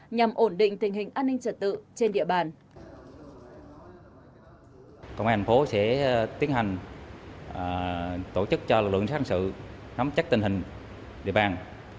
nhằm ổn định tình hình an ninh trật tự trên địa bàn